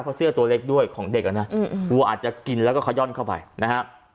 เพราะเสื้อตัวเล็กด้วยของเด็กอ่ะนะวัวอาจจะกินแล้วก็ขย่อนเข้าไปนะฮะ